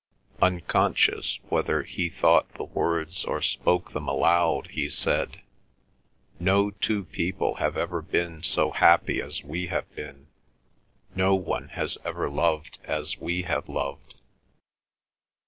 Unconscious whether he thought the words or spoke them aloud, he said, "No two people have ever been so happy as we have been. No one has ever loved as we have loved."